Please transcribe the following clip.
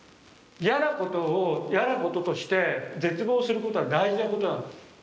嫌なことを嫌なこととして絶望することは大事なことなの。